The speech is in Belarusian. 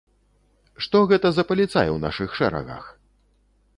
Што гэта за паліцай у нашых шэрагах?